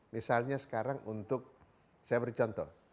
misalnya sekarang untuk saya beri contoh